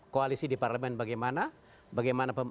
koalisi di parlemen bagaimana